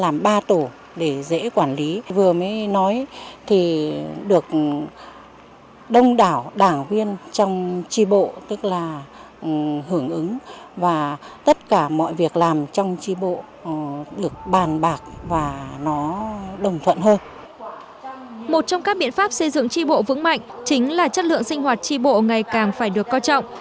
một trong các biện pháp xây dựng tri bộ vững mạnh chính là chất lượng sinh hoạt tri bộ ngày càng phải được co trọng